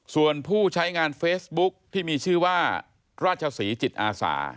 ส่วนผู้ใช้งานเฟซบุ๊คที่มีชื่อว่าราชศรีจิตอาสา